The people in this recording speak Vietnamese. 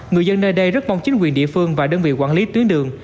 người dân nơi đây rất mong chính quyền địa phương và đơn vị quản lý tuyến đường